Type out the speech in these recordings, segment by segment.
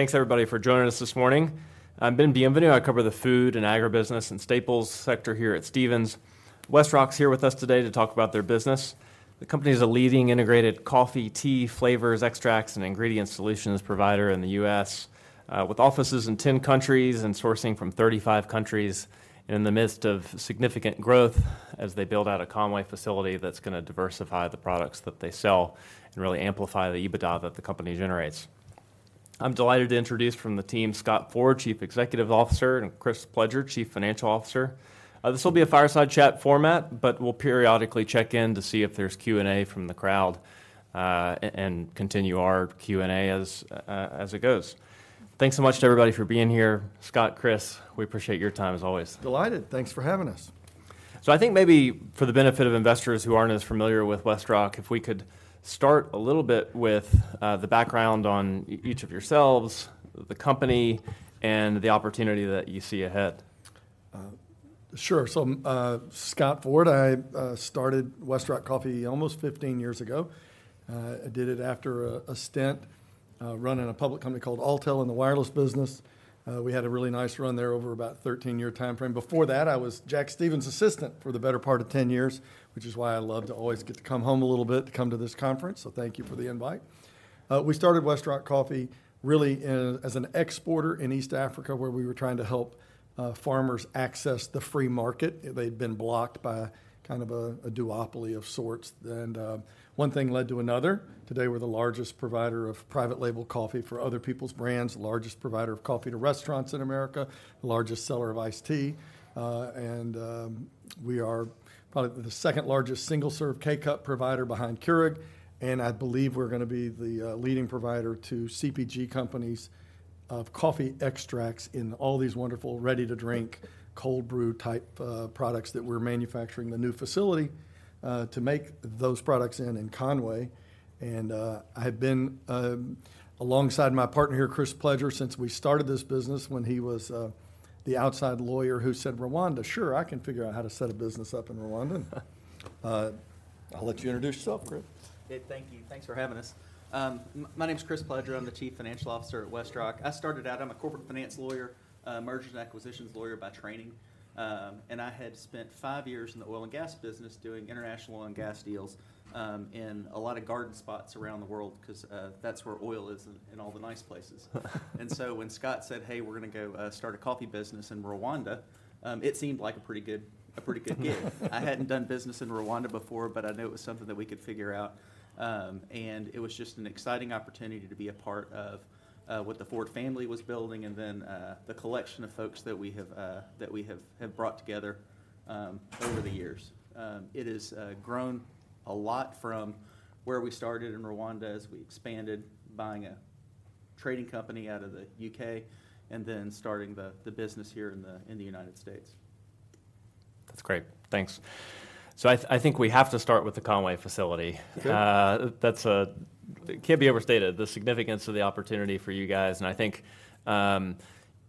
Thanks, everybody, for joining us this morning. I'm Ben Bienvenu. I cover the food and agribusiness and staples sector here at Stephens. Westrock's here with us today to talk about their business. The company is a leading integrated coffee, tea, flavors, extracts, and ingredient solutions provider in the U.S., with offices in 10 countries and sourcing from 35 countries, and in the midst of significant growth as they build out a Conway facility that's gonna diversify the products that they sell and really amplify the EBITDA that the company generates. I'm delighted to introduce from the team, Scott Ford, Chief Executive Officer, and Chris Pledger, Chief Financial Officer. This will be a fireside chat format, but we'll periodically check in to see if there's Q&A from the crowd, and continue our Q&A as it goes. Thanks so much to everybody for being here. Scott, Chris, we appreciate your time, as always. Delighted. Thanks for having us. I think maybe for the benefit of investors who aren't as familiar with Westrock, if we could start a little bit with the background on each of yourselves, the company, and the opportunity that you see ahead. Sure. So, Scott Ford, I started Westrock Coffee almost 15 years ago. I did it after a stint running a public company called Alltel in the wireless business. We had a really nice run there over about a 13-year timeframe. Before that, I was Jack Stevens' assistant for the better part of 10 years, which is why I love to always get to come home a little bit to come to this conference, so thank you for the invite. We started Westrock Coffee really as an exporter in East Africa, where we were trying to help farmers access the free market. They'd been blocked by a duopoly of sorts, and one thing led to another. Today, we're the largest provider of Private Label coffee for other people's brands, the largest provider of coffee to restaurants in America, the largest seller of iced tea, and we are probably the second-largest single-serve K-Cup provider behind Keurig. And I believe we're gonna be the leading provider to CPG companies of coffee extracts in all these wonderful ready-to-drink, cold brew-type products that we're manufacturing in the new facility to make those products in Conway. And I have been alongside my partner here, Chris Pledger, since we started this business when he was the outside lawyer who said, "Rwanda? Sure, I can figure out how to set a business up in Rwanda." I'll let you introduce yourself, Chris. Okay, thank you. Thanks for having us. My name's Chris Pledger. I'm the Chief Financial Officer at Westrock. I started out. I'm a corporate finance lawyer, a mergers and acquisitions lawyer by training, and I had spent five years in the oil and gas business doing international oil and gas deals in a lot of garden spots around the world, 'cause that's where oil is, in all the nice places. And so when Scott said, " We're gonna go start a coffee business in Rwanda," it seemed like a pretty good, a pretty good gig. I hadn't done business in Rwanda before, but I knew it was something that we could figure out. It was just an exciting opportunity to be a part of what the Ford family was building, and then the collection of folks that we have brought together over the years. It has grown a lot from where we started in Rwanda as we expanded, buying a trading company out of the UK, and then starting the business here in the United States. That's great. Thanks. So I think we have to start with the Conway facility. Okay. That's... It can't be overstated, the significance of the opportunity for you guys, and I think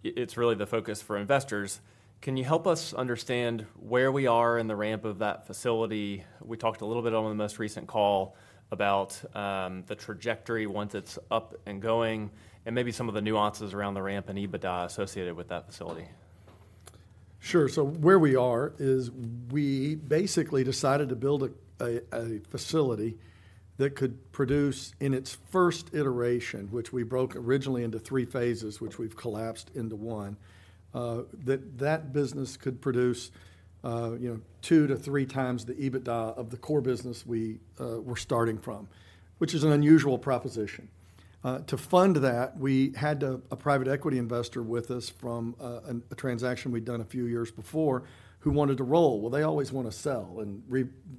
it's really the focus for investors. Can you help us understand where we are in the ramp of that facility? We talked a little bit on the most recent call about the trajectory once it's up and going, and maybe some of the nuances around the ramp and EBITDA associated with that facility. Sure. So where we are is we basically decided to build a facility that could produce, in its first iteration, which we broke originally into three phases, which we've collapsed into one, that that business could produce, you know, two to three times the EBITDA of the core business we were starting from, which is an unusual proposition. To fund that, we had to... a private equity investor with us from a transaction we'd done a few years before, who wanted to roll. They always want to sell, and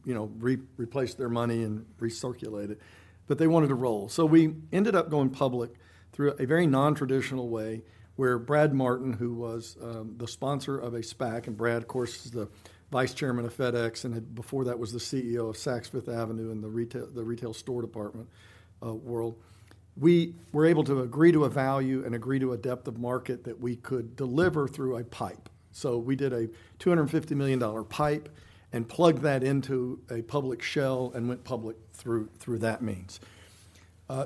you know, replace their money and recirculate it, but they wanted to roll. So we ended up going public through a very non-traditional way, where Brad Martin, who was the sponsor of a SPAC, and Brad, of course, is the vice chairman of FedEx, and before that, was the CEO of Saks Fifth Avenue in the retail store department world. We were able to agree to a value and agree to a depth of market that we could deliver through a pipe. So we did a $250 million pipe, and plugged that into a public shell, and went public through that means.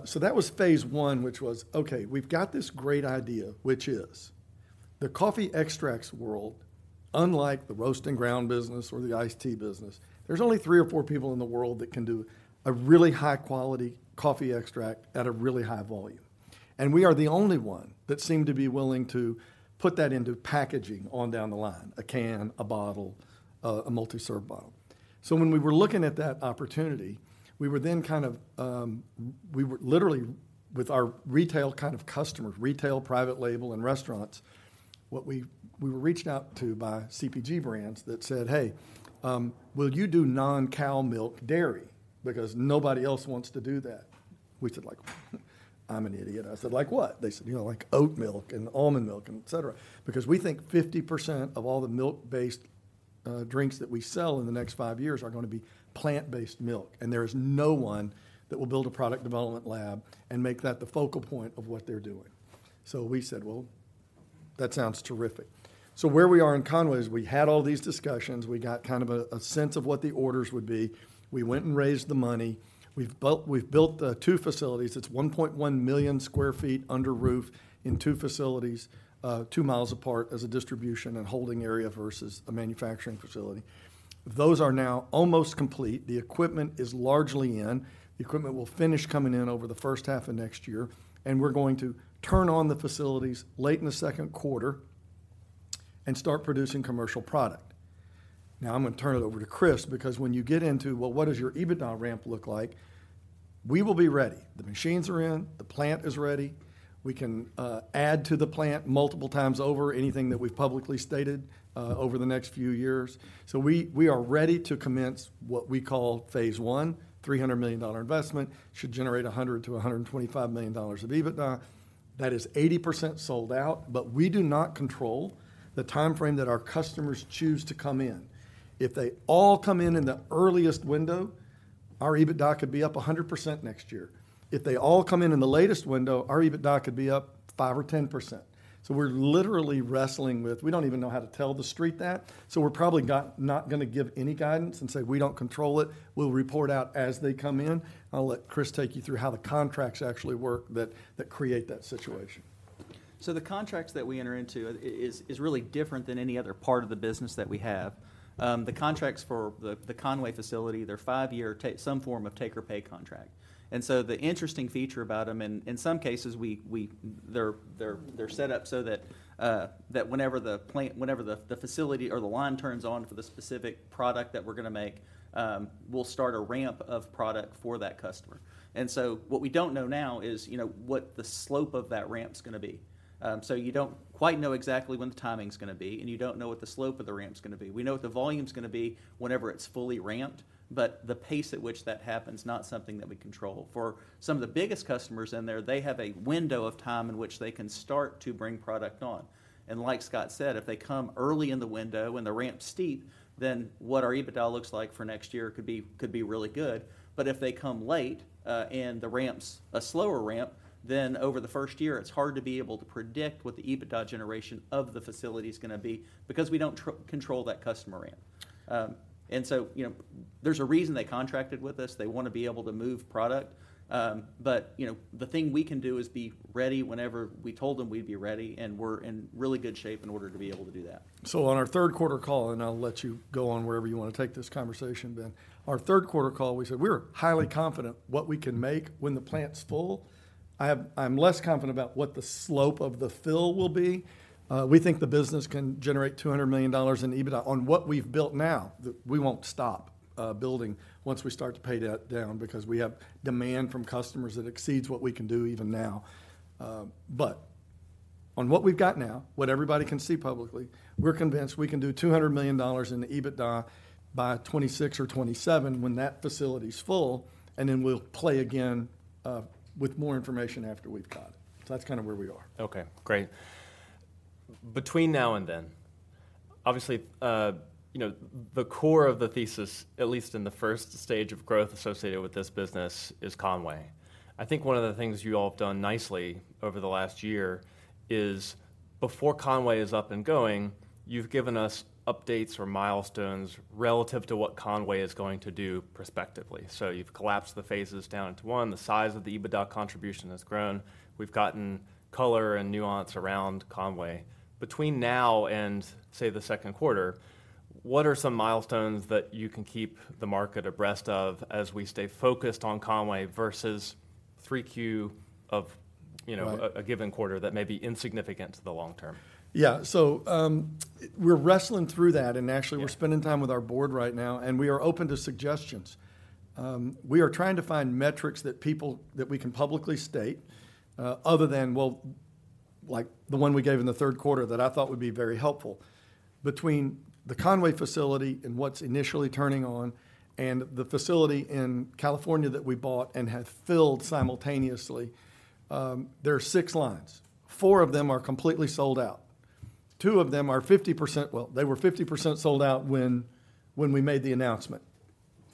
So that was phase one, which was, "Okay, we've got this great idea," which is the coffee extracts world, unlike the roast and ground business or the iced tea business, there's only three or four people in the world that can do a really high-quality coffee extract at a really high volume, and we are the only one that seemed to be willing to put that into packaging on down the line: a can, a bottle, a multi-serve bottle. So when we were looking at that opportunity, we were then. We were literally, with our retail customers, retail, private label, and restaurants, what we were reached out to by CPG brands that said, " Will you do non-cow milk dairy? “Because nobody else wants to do that.” We said like, “I’m an idiot.” I said, “Like what?” They said, “You know, like oat milk, and almond milk, and et cetera.” Because we think 50% of all the milk-based drinks that we sell in the next five years are gonna be plant-based milk, and there is no one that will build a product development lab and make that the focal point of what they’re doing. So we said, “ That sounds terrific. So where we are in Conway is we had all these discussions, we got a sense of what the orders would be. We went and raised the money. We’ve built two facilities. It’s 1.1 million sq ft under roof in two facilities, two miles apart as a distribution and holding area versus a manufacturing facility.” Those are now almost complete. The equipment is largely in. The equipment will finish coming in over the H1 of next year, and we're going to turn on the facilities late in the Q2, and start producing commercial product. Now, I'm gonna turn it over to Chris, because when you get into, what does your EBITDA ramp look like? We will be ready. The machines are in, the plant is ready. We can add to the plant multiple times over anything that we've publicly stated over the next few years. So we are ready to commence what we call Phase One, $300 million investment, should generate $100 million-$125 million of EBITDA. That is 80% sold out, but we do not control the timeframe that our customers choose to come in. If they all come in in the earliest window, our EBITDA could be up 100% next year. If they all come in in the latest window, our EBITDA could be up 5% or 10%. So we're literally wrestling with. We don't even know how to tell the Street that, so we're probably not gonna give any guidance and say we don't control it. We'll report out as they come in. I'll let Chris take you through how the contracts actually work, that, that create that situation. So the contracts that we enter into is really different than any other part of the business that we have. The contracts for the Conway facility, they're five-year, some form of Take or Pay contract. And so the interesting feature about them, and in some cases, they're set up so that whenever the facility or the line turns on for the specific product that we're gonna make, we'll start a ramp of product for that customer. And so what we don't know now is, you know, what the slope of that ramp's gonna be. So you don't quite know exactly when the timing's gonna be, and you don't know what the slope of the ramp's gonna be. We know what the volume's gonna be whenever it's fully ramped, but the pace at which that happens is not something that we control. For some of the biggest customers in there, they have a window of time in which they can start to bring product on. And like Scott said, if they come early in the window and the ramp's steep, then what our EBITDA looks like for next year could be, could be really good. But if they come late, and the ramp's a slower ramp, then over the first year, it's hard to be able to predict what the EBITDA generation of the facility's gonna be because we don't control that customer ramp. And so, you know, there's a reason they contracted with us. They wanna be able to move product, but, you know, the thing we can do is be ready whenever we told them we'd be ready, and we're in really good shape in order to be able to do that. So on our Q3 call, and I'll let you go on wherever you wanna take this conversation, Ben. Our Q3 call, we said we're highly confident what we can make when the plant's full. I'm less confident about what the slope of the fill will be. We think the business can generate $200 million in EBITDA on what we've built now. We won't stop building once we start to pay debt down, because we have demand from customers that exceeds what we can do even now. But on what we've got now, what everybody can see publicly, we're convinced we can do $200 million in EBITDA by 2026 or 2027, when that facility's full, and then we'll play again with more information after we've got it. So that's where we are. Okay, great. Between now and then, obviously, you know, the core of the thesis, at least in the first stage of growth associated with this business, is Conway. I think one of the things you all have done nicely over the last year is, before Conway is up and going, you've given us updates or milestones relative to what Conway is going to do prospectively. So you've collapsed the phases down to one. The size of the EBITDA contribution has grown. We've gotten color and nuance around Conway. Between now and, say, the Q2, what are some milestones that you can keep the market abreast of as we stay focused on Conway versus 3Q of, you know. Right A given quarter that may be insignificant to the long term? So, we're wrestling through that, and actually- Yeah... we're spending time with our board right now, and we are open to suggestions. We are trying to find metrics that people, that we can publicly state, other than, like the one we gave in the Q3, that I thought would be very helpful. Between the Conway facility and what's initially turning on and the facility in California that we bought and have filled simultaneously, there are 6 lines. 4 of them are completely sold out. 2 of them are 50%, they were 50% sold out when, when we made the announcement.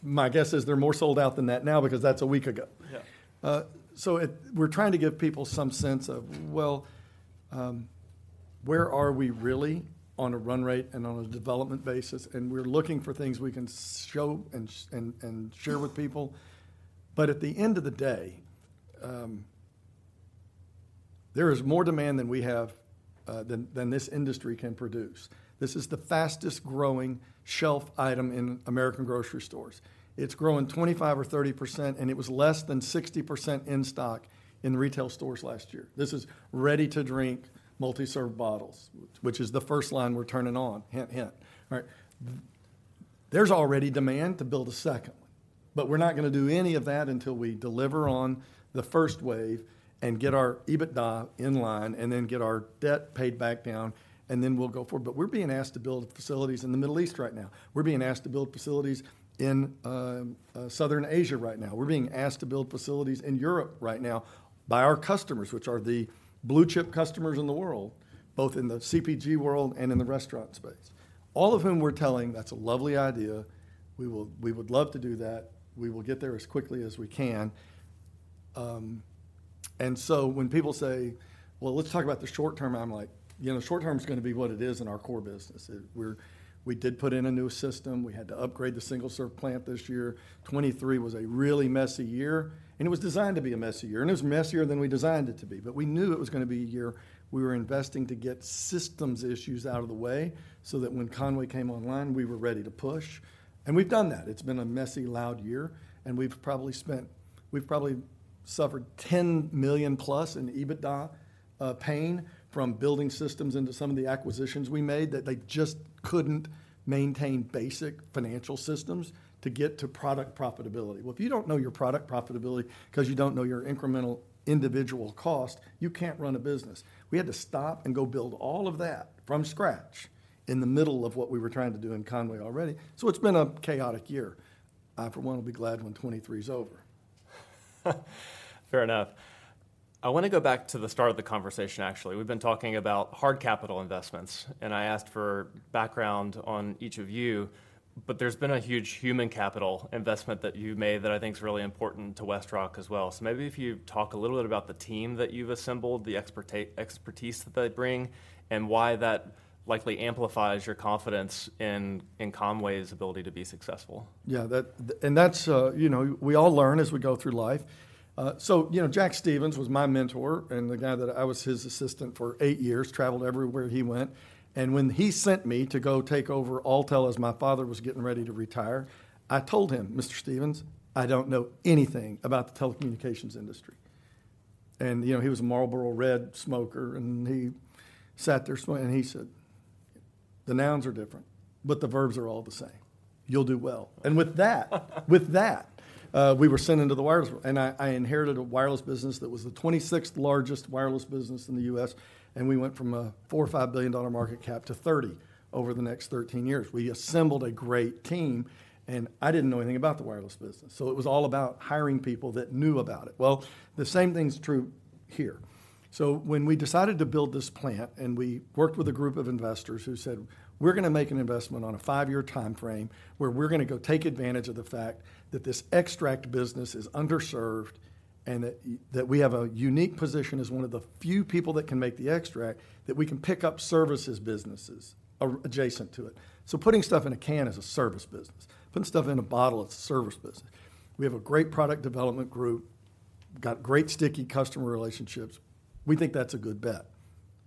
My guess is they're more sold out than that now, because that's a week ago. Yeah. So, we're trying to give people some sense of, where are we really on a run rate and on a development basis? And we're looking for things we can show and share with people. But at the end of the day, there is more demand than we have than this industry can produce. This is the fastest growing shelf item in American grocery stores. It's growing 25% or 30%, and it was less than 60% in stock in retail stores last year. This is ready-to-drink, multi-serve bottles, which is the first line we're turning on, hint, hint. All right. There's already demand to build a second one, but we're not gonna do any of that until we deliver on the first wave and get our EBITDA in line, and then get our debt paid back down, and then we'll go forward. But we're being asked to build facilities in the Middle East right now. We're being asked to build facilities in Southeast Asia right now. We're being asked to build facilities in Europe right now by our customers, which are the blue-chip customers in the world, both in the CPG world and in the restaurant space, all of whom we're telling: "That's a lovely idea. We would love to do that. We will get there as quickly as we can."... And so when people say, " Let's talk about the short term," I'm like, "You know, the short term's gonna be what it is in our core business." We're we did put in a new system. We had to upgrade the single-serve plant this year. 2023 was a really messy year, and it was designed to be a messy year, and it was messier than we designed it to be. But we knew it was gonna be a year we were investing to get systems issues out of the way, so that when Conway came online, we were ready to push, and we've done that. It's been a messy, loud year, and we've probably spent-- we've probably suffered $10 million+ in EBITDA pain from building systems into some of the acquisitions we made, that they just couldn't maintain basic financial systems to get to product profitability. If you don't know your product profitability 'cause you don't know your incremental individual cost, you can't run a business. We had to stop and go build all of that from scratch in the middle of what we were trying to do in Conway already. So it's been a chaotic year. I, for one, will be glad when 2023 is over. Fair enough. I wanna go back to the start of the conversation, actually. We've been talking about hard capital investments, and I asked for background on each of you, but there's been a huge human capital investment that you've made that I think is really important to Westrock. So maybe if you'd talk a little bit about the team that you've assembled, the expertise that they bring, and why that likely amplifies your confidence in, in Conway's ability to be successful. That. And that's, you know, we all learn as we go through life. So, you know, Jack Stevens was my mentor, and the guy that I was his assistant for eight years, traveled everywhere he went. And when he sent me to go take over Alltel as my father was getting ready to retire, I told him, "Mr. Stevens, I don't know anything about the telecommunications industry." And, you know, he was a Marlboro Red smoker, and he sat there and he said, "The nouns are different, but the verbs are all the same. You'll do well." And with that, with that, we were sent into the wireless world. And I inherited a wireless business that was the 26th largest wireless business in the U.S., and we went from a $4 or $5 billion market cap to $30 billion over the next 13 years. We assembled a great team, and I didn't know anything about the wireless business. So it was all about hiring people that knew about it. The same thing's true here. So when we decided to build this plant, and we worked with a group of investors who said, "We're gonna make an investment on a five-year timeframe, where we're gonna go take advantage of the fact that this extract business is underserved, and that that we have a unique position as one of the few people that can make the extract, that we can pick up services businesses adjacent to it." So putting stuff in a can is a service business. Putting stuff in a bottle is a service business. We have a great product development group, got great sticky customer relationships. We think that's a good bet.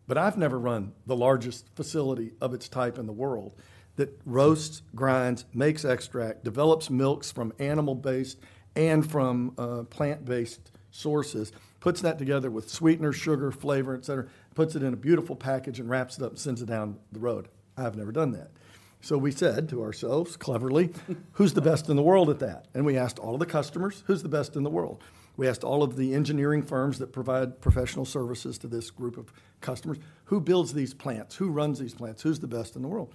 But I've never run the largest facility of its type in the world, that roasts, grinds, makes extract, develops milks from animal-based and from plant-based sources, puts that together with sweetener, sugar, flavor, et cetera, puts it in a beautiful package and wraps it up and sends it down the road. I have never done that. So we said to ourselves, "Who's the best in the world at that?" And we asked all of the customers, "Who's the best in the world?" We asked all of the engineering firms that provide professional services to this group of customers, "Who builds these plants? Who runs these plants? Who's the best in the world?"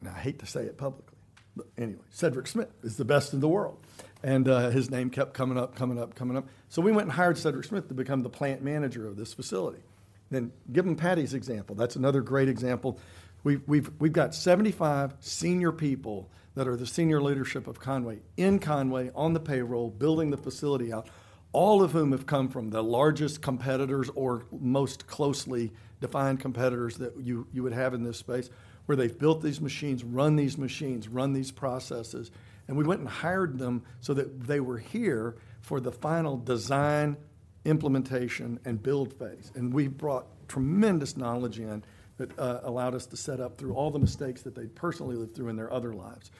And I hate to say it publicly, but anyway, Cedric Smith is the best in the world. And his name kept coming up, coming up, coming up. So we went and hired Cedric Smith to become the plant manager of this facility. Then give them Patty's example. That's another great example. We've got 75 senior people that are the senior leadership of Conway, in Conway, on the payroll, building the facility out, all of whom have come from the largest competitors or most closely defined competitors that you would have in this space, where they've built these machines, run these machines, run these processes. And we went and hired them so that they were here for the final design, implementation, and build phase. And we brought tremendous knowledge in that, allowed us to set up through all the mistakes that they'd personally lived through in their other lives.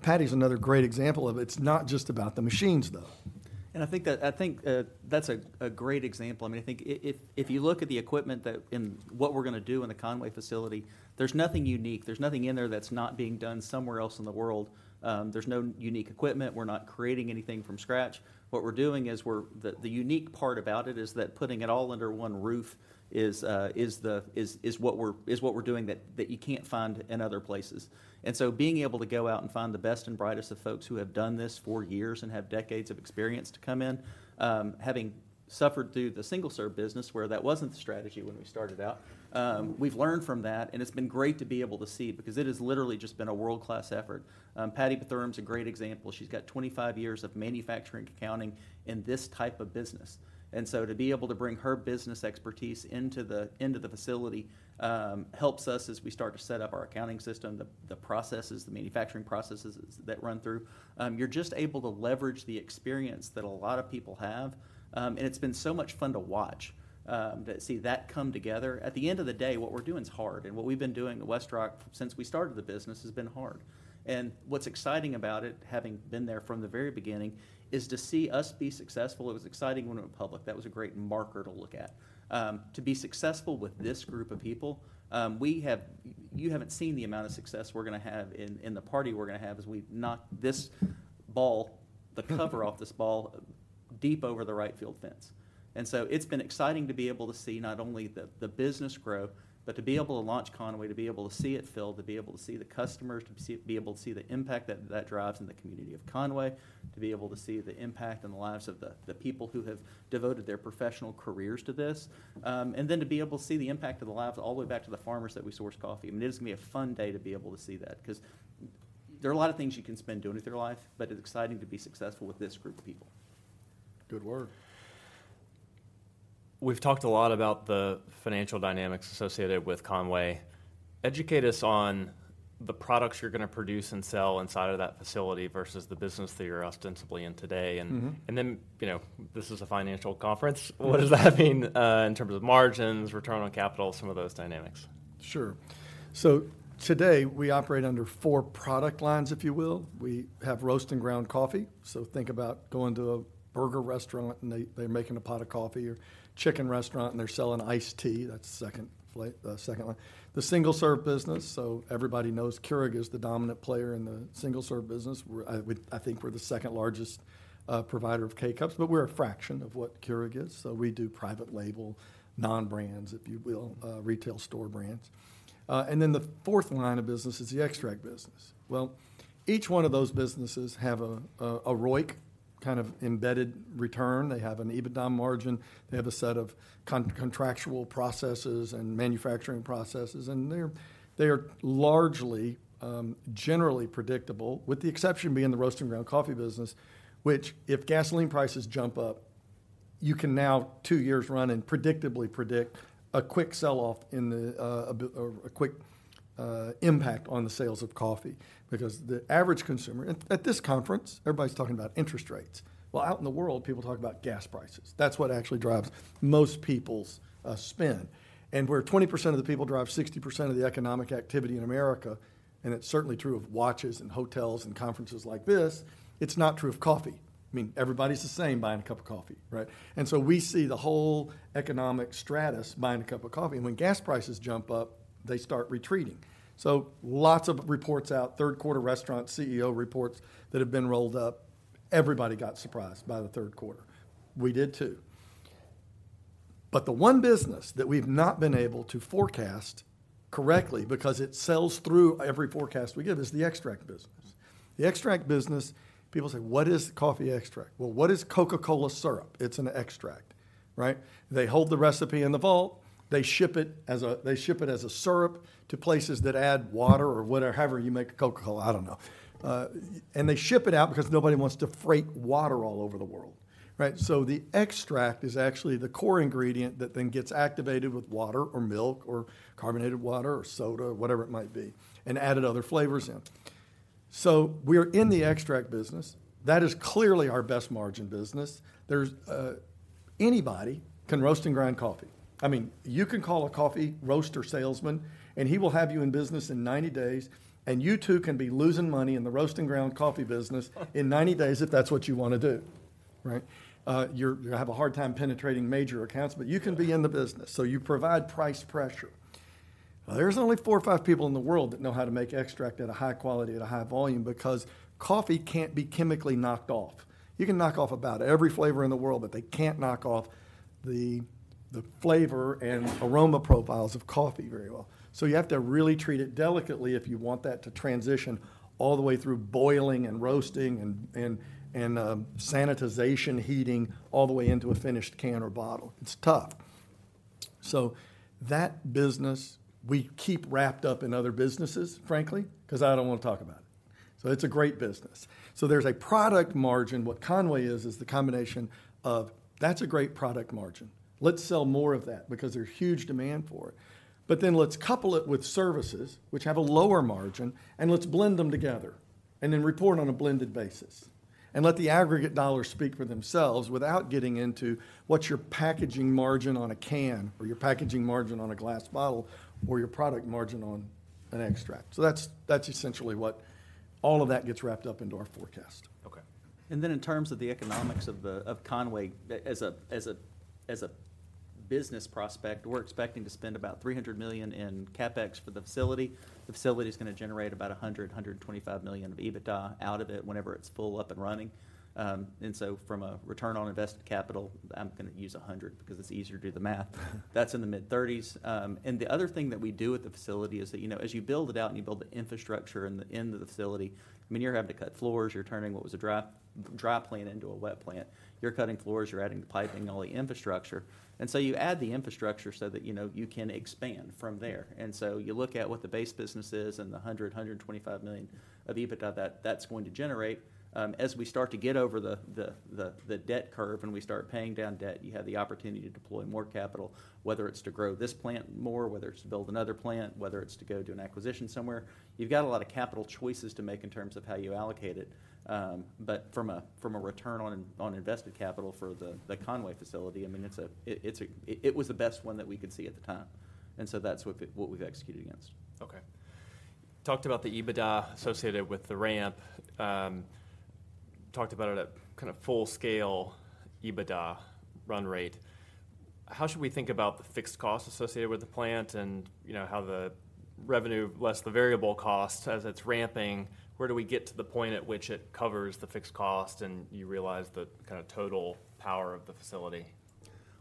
Patty's another great example of it's not just about the machines, though. And I think that's a great example. I mean, I think if you look at the equipment and what we're gonna do in the Conway facility, there's nothing unique. There's nothing in there that's not being done somewhere else in the world. There's no unique equipment. We're not creating anything from scratch. What we're doing is the unique part about it is that putting it all under one roof is what we're doing that you can't find in other places. And so being able to go out and find the best and brightest of folks who have done this for years and have decades of experience to come in, having suffered through the single-serve business, where that wasn't the strategy when we started out, we've learned from that. It's been great to be able to see, because it has literally just been a world-class effort. Patty Bethurum's a great example. She's got 25 years of manufacturing accounting in this type of business. And so to be able to bring her business expertise into the facility, helps us as we start to set up our accounting system, the processes, the manufacturing processes that run through. You're just able to leverage the experience that a lot of people have, and it's been so much fun to watch, see that come together. At the end of the day, what we're doing is hard, and what we've been doing at Westrock since we started the business has been hard. What's exciting about it, having been there from the very beginning, is to see us be successful. It was exciting when it went public. That was a great marker to look at. To be successful with this group of people, you haven't seen the amount of success we're gonna have and, and the party we're gonna have as we knock this ball, the cover off this ball, deep over the right field fence. And so it's been exciting to be able to see not only the business grow, but to be able to launch Conway, to be able to see it filled, to be able to see the customers, to be able to see the impact that that drives in the community of Conway, to be able to see the impact on the lives of the people who have devoted their professional careers to this, and then to be able to see the impact on the lives all the way back to the farmers that we source coffee. I mean, it is gonna be a fun day to be able to see that, because there are a lot of things you can spend doing with your life, but it's exciting to be successful with this group of people. Good work. We've talked a lot about the financial dynamics associated with Conway. Educate us on the products you're gonna produce and sell inside of that facility versus the business that you're ostensibly in today. Mm-hmm. And then, you know, this is a financial conference. What does that mean in terms of margins, return on capital, some of those dynamics? Sure. So today, we operate under four product lines, if you will. We have roast and ground coffee, so think about going to a burger restaurant, and they're making a pot of coffee, or chicken restaurant, and they're selling iced tea. That's the second one. The single-serve business, so everybody knows Keurig is the dominant player in the single-serve business. I think we're the second largest provider of K-Cups, but we're a fraction of what Keurig is. So we do private label, non-brands, if you will, retail store brands. And then the fourth line of business is the extract business. Well, each one of those businesses have a ROIC embedded return. They have an EBITDA margin. They have a set of contractual processes and manufacturing processes, and they're, they are largely, generally predictable, with the exception being the roast and ground coffee business, which, if gasoline prices jump up, you can now two years run and predictably predict a quick sell-off in the, or a quick impact on the sales of coffee. Because the average consumer... At, at this conference, everybody's talking about interest rates. Out in the world, people talk about gas prices. That's what actually drives most people's spend. And where 20% of the people drive 60% of the economic activity in America, and it's certainly true of watches and hotels and conferences like this, it's not true of coffee. I mean, everybody's the same buying a cup of coffee, right? We see the whole economic strata buying a cup of coffee, and when gas prices jump up, they start retreating. Lots of reports out, Q3 restaurant CEO reports that have been rolled up, everybody got surprised by the Q3. We did, too. The one business that we've not been able to forecast correctly, because it sells through every forecast we give, is the extract business. The extract business, people say: "What is coffee extract?" What is Coca-Cola syrup? It's an extract, right? They hold the recipe in the vault. They ship it as a, they ship it as a syrup to places that add water or whatever however you make a Coca-Cola. I don't know. And they ship it out because nobody wants to freight water all over the world, right? So the extract is actually the core ingredient that then gets activated with water or milk or carbonated water or soda, whatever it might be, and added other flavors in. So we are in the extract business. That is clearly our best margin business. There's anybody can roast and grind coffee. I mean, you can call a coffee roaster salesman, and he will have you in business in 90 days, and you, too, can be losing money in the roast and ground coffee business in 90 days, if that's what you wanna do, right? You'll have a hard time penetrating major accounts, but you can be in the business, so you provide price pressure. There's only four or five people in the world that know how to make extract at a high quality, at a high volume, because coffee can't be chemically knocked off. You can knock off about every flavor in the world, but they can't knock off the flavor and aroma profiles of coffee very well. So you have to really treat it delicately if you want that to transition all the way through boiling and roasting and sanitization, heating, all the way into a finished can or bottle. It's tough. So that business we keep wrapped up in other businesses, frankly, 'cause I don't want to talk about it. So it's a great business. So there's a product margin. What Conway is, is the combination of, "That's a great product margin. Let's sell more of that, because there's huge demand for it. But then let's couple it with services, which have a lower margin, and let's blend them together and then report on a blended basis, and let the aggregate dollars speak for themselves without getting into what's your packaging margin on a can or your packaging margin on a glass bottle or your product margin on an extract?" So that's, that's essentially what all of that gets wrapped up into our forecast. Okay. Then in terms of the economics of Conway as a business prospect, we're expecting to spend about $300 million in CapEx for the facility. The facility's gonna generate about $125 million of EBITDA out of it whenever it's full up and running. And so from a return on invested capital, I'm gonna use 100, because it's easier to do the math. That's in the mid-30s. And the other thing that we do at the facility is that, you know, as you build it out and you build the infrastructure in the facility, I mean, you're having to cut floors, you're turning what was a dry plant into a wet plant. You're cutting floors, you're adding the piping and all the infrastructure, and so you add the infrastructure so that, you know, you can expand from there. So you look at what the base business is and the $125 million of EBITDA that that's going to generate. As we start to get over the debt curve and we start paying down debt, you have the opportunity to deploy more capital, whether it's to grow this plant more, whether it's to build another plant, whether it's to go do an acquisition somewhere. You've got a lot of capital choices to make in terms of how you allocate it, but from a return on invested capital for the Conway facility, I mean, it's a-- it was the best one that we could see at the time, and so that's what we've executed against. Okay. Talked about the EBITDA associated with the ramp, talked about it at a full-scale EBITDA run rate. How should we think about the fixed costs associated with the plant and, you know, how the revenue less the variable costs as it's ramping, where do we get to the point at which it covers the fixed cost and you realize the total power of the facility?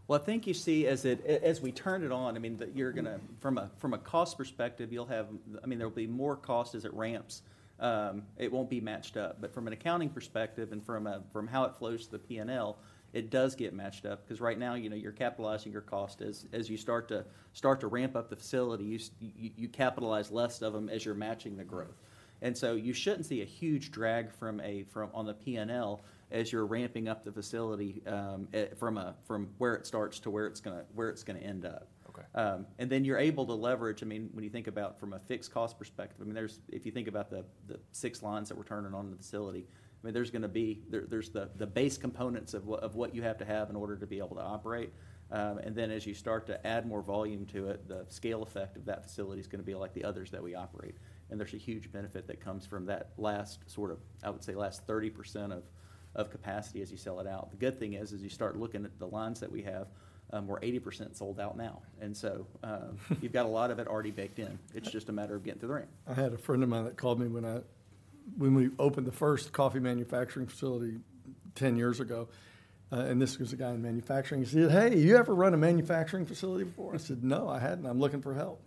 I think you see as it, as we turn it on, I mean, the. Mm-hmm... you're gonna, from a cost perspective, you'll have, I mean, there'll be more cost as it ramps. It won't be matched up. But from an accounting perspective and from how it flows to the P&L, it does get matched up, 'cause right now, you know, you're capitalizing your cost. As you start to ramp up the facilities, you capitalize less of them as you're matching the growth. And so you shouldn't see a huge drag from, on the P&L as you're ramping up the facility, from where it starts to where it's gonna end up. Okay. And then you're able to leverage... I mean, when you think about from a fixed cost perspective, I mean, there's, if you think about the six lines that we're turning on in the facility, I mean, there's gonna be the base components of what you have to have in order to be able to operate. And then as you start to add more volume to it, the scale effect of that facility is gonna be like the others that we operate. And there's a huge benefit that comes from that las, I would say, last 30% of capacity as you sell it out. The good thing is, as you start looking at the lines that we have, we're 80% sold out now. And so... you've got a lot of it already baked in. It's just a matter of getting to the ramp. I had a friend of mine that called me when we opened the first coffee manufacturing facility 10 years ago, and this was a guy in manufacturing. He said, "You ever run a manufacturing facility before?" I said, "No, I hadn't. I'm looking for help."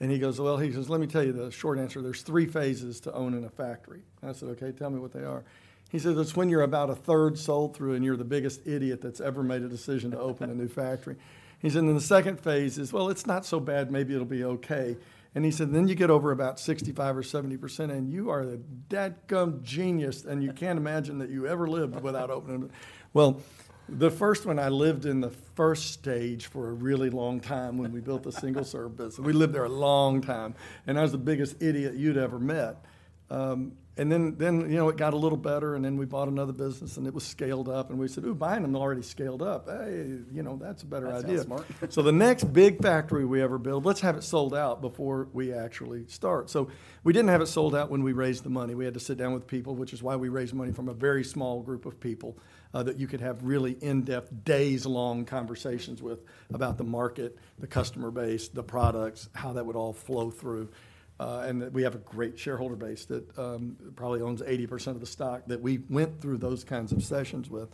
And he goes, "Well," he says, "let me tell you the short answer. There's three phases to owning a factory." And I said, "Okay, tell me what they are." He says, "It's when you're about a third sold through, and you're the biggest idiot that's ever made a decision to open a new factory." He said, "Then the second phase is, well, it's not so bad. Maybe it'll be okay." And he said, "Then you get over about 65% or 70%, and you are a dadgum genius. and you can't imagine that you ever lived without opening it." The first one, I lived in the first stage for a really long time when we built the single-serve business. We lived there a long time, and I was the biggest idiot you'd ever met. And then, you know, it got a little better, and then we bought another business, and it was scaled up, and we said, " Buying them already scaled up. You know, that's a better idea. That sounds smart. So the next big factory we ever build, let's have it sold out before we actually start. So we didn't have it sold out when we raised the money. We had to sit down with people, which is why we raised money from a very small group of people, that you could have really in-depth, days-long conversations with about the market, the customer base, the products, how that would all flow through. And that we have a great shareholder base that, probably owns 80% of the stock, that we went through those kinds of sessions with.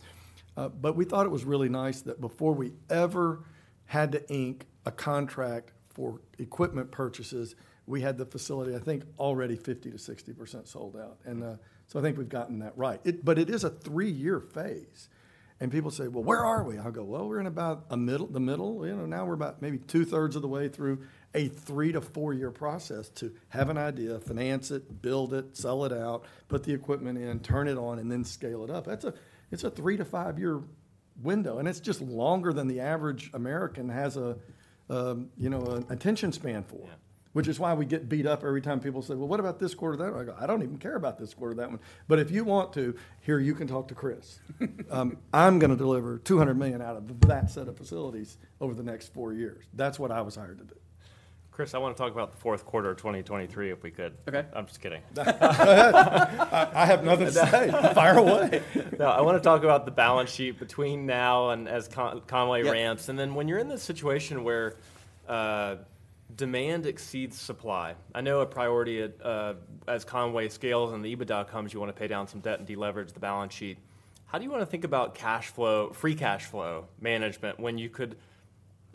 But we thought it was really nice that before we ever had to ink a contract for equipment purchases, we had the facility, I think, already 50%-60% sold out. Mm-hmm. So I think we've gotten that right. But it is a 3-year phase, and people say, " Where are we?" I'll go, " We're in about a middle, the middle. You know, now we're about maybe 2/3 of the way through a 3-4-year process to have an idea, finance it, build it, sell it out, put the equipment in, turn it on, and then scale it up." That's a, it's a 3-5-year window, and it's just longer than the average American has a, you know, an attention span for. Yeah. Which is why we get beat up every time people say, " What about this quarter or that?" I go, "I don't even care about this quarter or that one. But if you want to, here, you can talk to Chris." I'm gonna deliver $200 million out of that set of facilities over the next four years. That's what I was hired to do. Chris, I want to talk about the Q4 of 2023, if we could. Okay. I'm just kidding. Go ahead. I have nothing to say. Fire away. No, I want to talk about the balance sheet between now and as Con- Yeah... Conway ramps. Then when you're in this situation where demand exceeds supply, I know a priority as Conway scales and the EBITDA comes, you want to pay down some debt and deleverage the balance sheet. How do you want to think about cash flow, free cash flow management, when you could,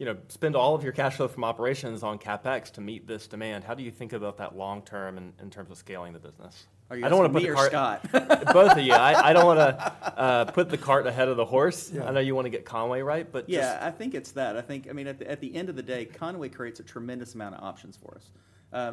you know, spend all of your cash flow from operations on CapEx to meet this demand? How do you think about that long term in terms of scaling the business? Are you asking- I don't want to put the cart-... me or Scott? Both of you. I don't want to put the cart ahead of the horse. Yeah. I know you want to get Conway right, but just- I think it's that. I think, I mean, at the end of the day, Conway creates a tremendous amount of options for us.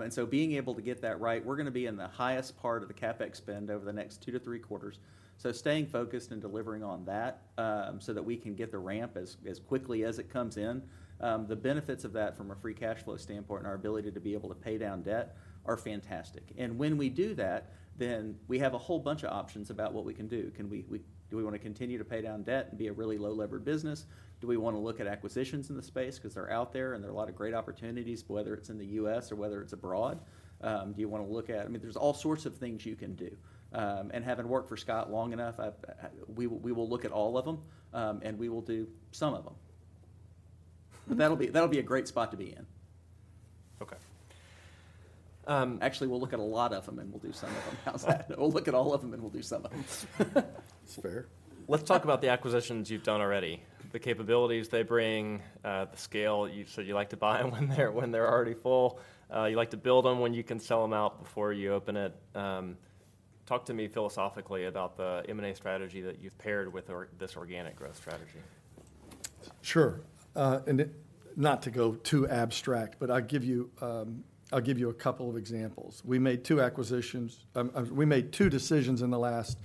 And so being able to get that right, we're gonna be in the highest part of the CapEx spend over the next 2-3 quarters, so staying focused and delivering on that, so that we can get the ramp as quickly as it comes in. The benefits of that from a free cash flow standpoint and our ability to be able to pay down debt are fantastic. And when we do that, then we have a whole bunch of options about what we can do. Can we... Do we want to continue to pay down debt and be a really low-levered business? Do we want to look at acquisitions in the space? 'Cause they're out there, and there are a lot of great opportunities, whether it's in the U.S. or whether it's abroad. Do you want to look at... I mean, there's all sorts of things you can do. And having worked for Scott long enough, we will, we will look at all of them, and we will do some of them. But that'll be, that'll be a great spot to be in. Okay. Um- Actually, we'll look at a lot of them, and we'll do some of them. How's that? We'll look at all of them, and we'll do some of them. It's fair. Let's talk about the acquisitions you've done already, the capabilities they bring, the scale. You said you like to buy them when they're, when they're already full. You like to build them when you can sell them out before you open it. Talk to me philosophically about the M&A strategy that you've paired with this organic growth strategy. Sure. And not to go too abstract, but I'll give you a couple of examples. We made two acquisitions. We made two decisions in the last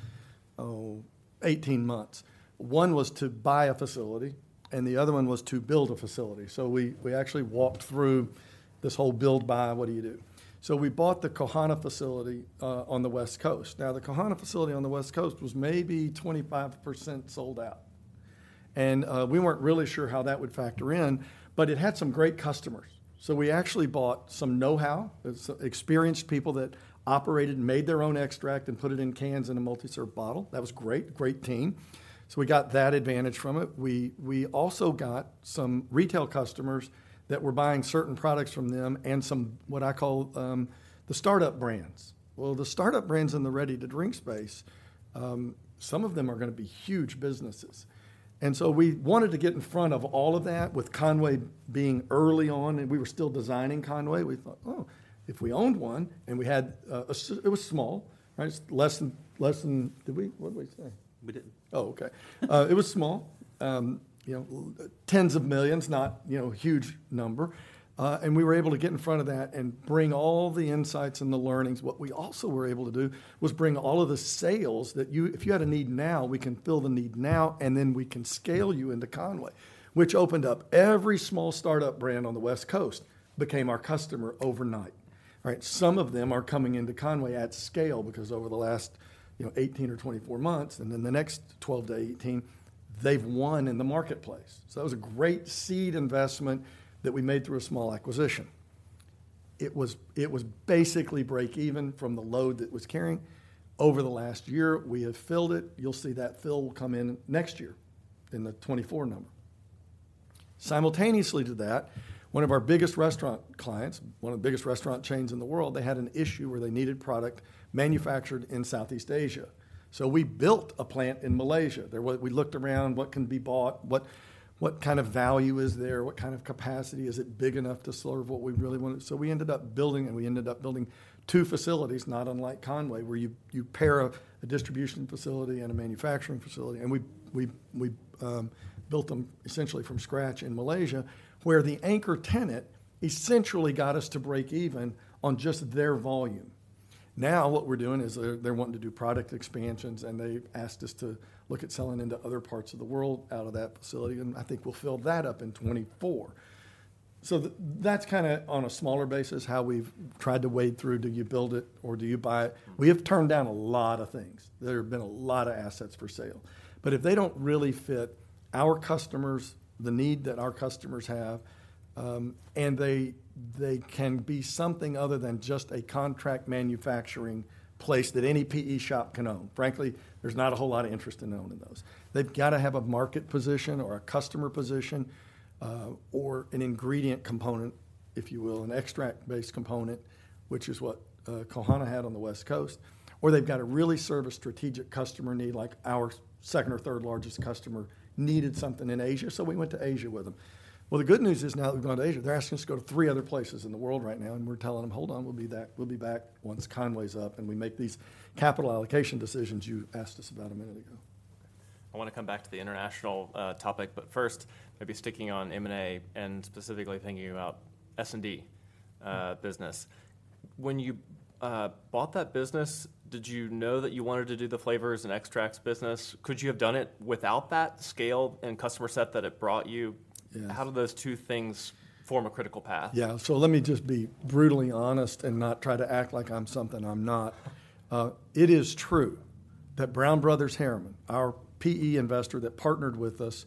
18 months. One was to buy a facility, and the other one was to build a facility. So we actually walked through this whole build, buy, what do you do? So we bought the Kohana facility on the West Coast. Now, the Kohana facility on the West Coast was maybe 25% sold out, and we weren't really sure how that would factor in, but it had some great customers. So we actually bought some know-how, experienced people that operated and made their own extract and put it in cans in a multi-serve bottle. That was great, great team. So we got that advantage from it. We also got some retail customers that were buying certain products from them and some, what I call, the startup brands. The startup brands in the ready-to-drink space, some of them are gonna be huge businesses, and so we wanted to get in front of all of that with Conway being early on, and we were still designing Conway. We thought, " If we owned one," and we had, it was small, right? Less than, less than... Did we? What did we say? We didn't. Okay. It was small. You know, $10s of millions, not, you know, a huge number. And we were able to get in front of that and bring all the insights and the learnings. What we also were able to do was bring all of the sales, that if you had a need now, we can fill the need now, and then we can scale you into Conway, which opened up every small startup brand on the West Coast became our customer overnight, right? Some of them are coming into Conway at scale because over the last, you know, 18 or 24 months, and in the next 12-18, they've won in the marketplace. So that was a great seed investment that we made through a small acquisition. It was, it was basically break even from the load that it was carrying. Over the last year, we have filled it. You'll see that fill come in next year, in the 2024 number. Simultaneously to that, one of our biggest restaurant clients, one of the biggest restaurant chains in the world, they had an issue where they needed product manufactured in Southeast Asia. So we built a plant in Malaysia. We looked around, what can be bought, what value is there? What capacity? Is it big enough to serve what we really wanted? So we ended up building it, and we ended up building two facilities, not unlike Conway, where you pair a distribution facility and a manufacturing facility, and we built them essentially from scratch in Malaysia, where the anchor tenant essentially got us to break even on just their volume. Now, what we're doing is they're wanting to do product expansions, and they've asked us to look at selling into other parts of the world out of that facility, and I think we'll fill that up in 2024. So that's kinda on a smaller basis, how we've tried to wade through, do you build it or do you buy it? We have turned down a lot of things. There have been a lot of assets for sale, but if they don't really fit our customers, the need that our customers have, and they can be something other than just a contract manufacturing place that any PE shop can own. Frankly, there's not a whole lot of interest in owning those. They've got to have a market position or a customer position, or an ingredient component, if you will, an extract-based component, which is what Kohana had on the West Coast, or they've got to really serve a strategic customer need, like our second or third largest customer needed something in Asia, so we went to Asia with them. The good news is now that we've gone to Asia, they're asking us to go to three other places in the world right now, and we're telling them: "Hold on, we'll be back. We'll be back once Conway's up, and we make these capital allocation decisions you asked us about a minute ago. I want to come back to the international topic, but first, maybe sticking on M&A and specifically thinking about S&D business. When you bought that business, did you know that you wanted to do the flavors and extracts business? Could you have done it without that scale and customer set that it brought you? Yes. How do those two things form a critical path? So let me just be brutally honest and not try to act like I'm something I'm not. It is true that Brown Brothers Harriman, our PE investor that partnered with us,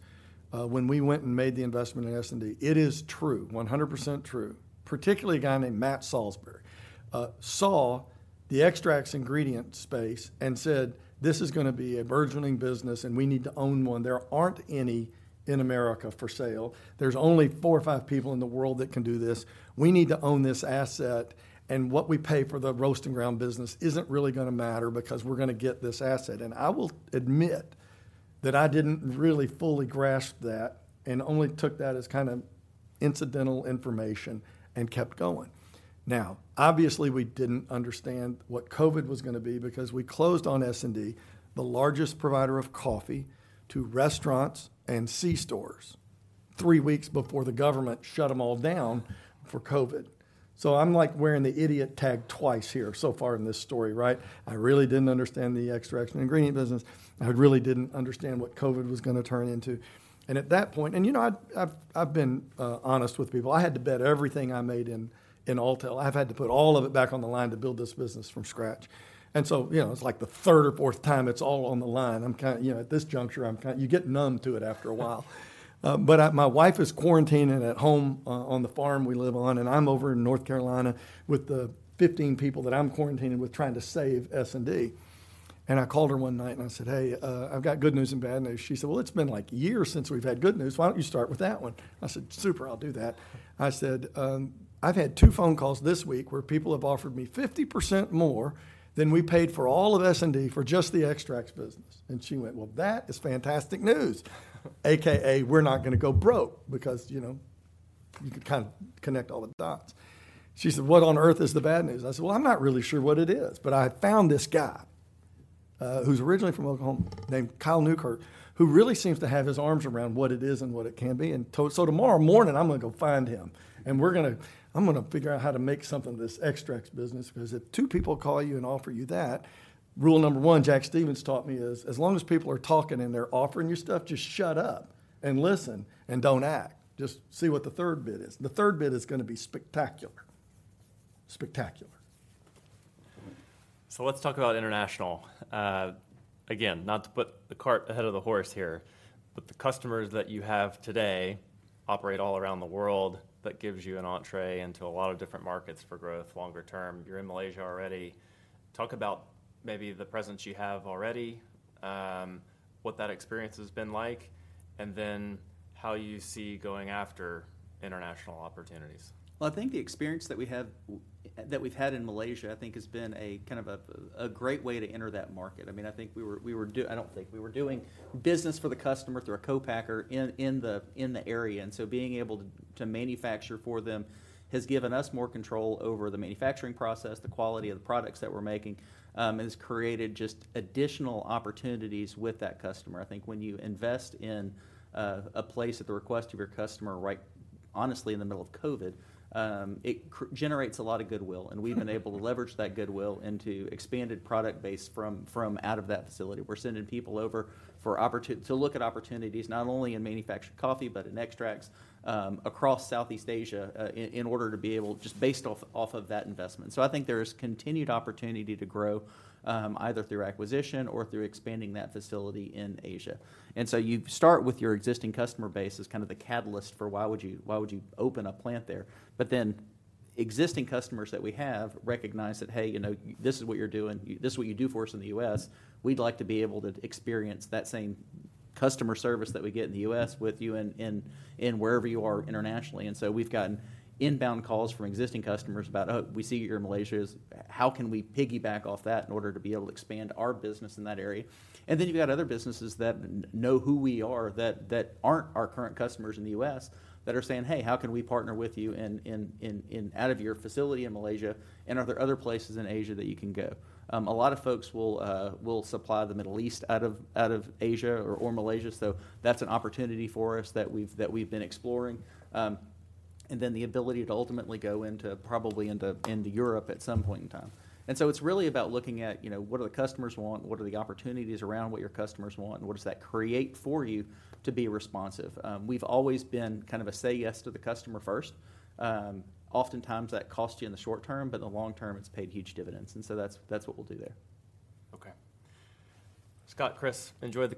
when we went and made the investment in S&D, it is true, 100% true, particularly a guy named Matt Salisbury, saw the extracts ingredient space and said: "This is gonna be a burgeoning business, and we need to own one. There aren't any in America for sale. There's only four or five people in the world that can do this. We need to own this asset, and what we pay for the roast and ground business isn't really gonna matter because we're gonna get this asset." And I will admit that I didn't really fully grasp that and only took that as incidental information and kept going. Now, obviously, we didn't understand what COVID was gonna be because we closed on S&D, the largest provider of coffee to restaurants and C-stores, three weeks before the government shut them all down for COVID. So I'm, like, wearing the idiot tag twice here so far in this story, right? I really didn't understand the extracts and ingredient business. I really didn't understand what COVID was gonna turn into. And at that point... And, you know, I've been honest with people. I had to bet everything I made in Alltel. I've had to put all of it back on the line to build this business from scratch. And so, you know, it's like the third or fourth time it's all on the line. You know, at this juncture, you get numb to it after a while. But, my wife is quarantining at home on the farm we live on, and I'm over in North Carolina with the 15 people that I'm quarantining with, trying to save S&D. And I called her one night, and I said: " I've got good news and bad news." She said, "It's been like years since we've had good news. Why don't you start with that one?" I said, "Super, I'll do that." I said, "I've had two phone calls this week where people have offered me 50% more than we paid for all of S&D for just the extracts business." And she went: "That is fantastic news!" AKA, we're not gonna go broke because, you know, you could connect all the dots. She said, "What on earth is the bad news?" I said, " I'm not really sure what it is, but I found this guy, who's originally from Oklahoma, named Kyle Newkirk, who really seems to have his arms around what it is and what it can be. And so tomorrow morning, I'm gonna go find him, and we're gonna... I'm gonna figure out how to make something of this extracts business, because if two people call you and offer you that, rule number one, Jack Stevens taught me, is as long as people are talking and they're offering you stuff, just shut up and listen and don't act. Just see what the third bid is. The third bid is gonna be spectacular. Spectacular.... So let's talk about international. Again, not to put the cart ahead of the horse here, but the customers that you have today operate all around the world. That gives you an entrée into a lot of different markets for growth longer term. You're in Malaysia already. Talk about maybe the presence you have already, what that experience has been like, and then how you see going after international opportunities. I think the experience that we have that we've had in Malaysia, I think has been a a great way to enter that market. I mean, I think we were doing business for the customer through a co-packer in the area, and so being able to manufacture for them has given us more control over the manufacturing process, the quality of the products that we're making, and has created just additional opportunities with that customer. I think when you invest in a place at the request of your customer, right honestly, in the middle of COVID, it generates a lot of goodwill. And we've been able to leverage that goodwill into expanded product base from out of that facility. We're sending people over for opport... to look at opportunities, not only in manufactured coffee, but in extracts, across Southeast Asia, in order to be able, just based off that investment. So I think there is continued opportunity to grow, either through acquisition or through expanding that facility in Asia. And so you start with your existing customer base as the catalyst for why would you, why would you open a plant there? But then existing customers that we have recognize that, you know, this is what you're doing, this is what you do for us in the U.S., we'd like to be able to experience that same customer service that we get in the U.S. with you in wherever you are internationally. And so we've gotten inbound calls from existing customers about, " We see you're in Malaysia. How can we piggyback off that in order to be able to expand our business in that area?" And then you've got other businesses that know who we are, that aren't our current customers in the U.S., that are saying, " How can we partner with you in out of your facility in Malaysia, and are there other places in Asia that you can go?" A lot of folks will supply the Middle East out of Asia or Malaysia, so that's an opportunity for us that we've been exploring. And then the ability to ultimately go into probably into Europe at some point in time. And so it's really about looking at, you know, what do the customers want? What are the opportunities around what your customers want, and what does that create for you to be responsive? We've always been a say yes to the customer first. Oftentimes, that costs you in the short term, but in the long term, it's paid huge dividends, and so that's, that's what we'll do there. Okay. Scott, Chris, enjoy the coffee?